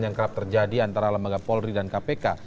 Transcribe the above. yang kerap terjadi antara lembaga polri dan kpk